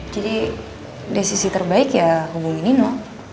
jadi desisi terbaik ya hubungin nino